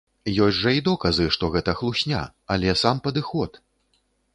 Ёсць жа і доказы, што гэта хлусня, але сам падыход!